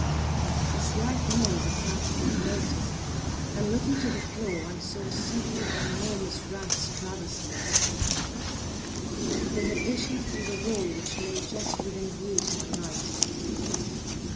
A slight noise attracted my notice, and, looking to the floor, I saw several enormous rats traversing it. They had issued from the well, which lay just within view to my right.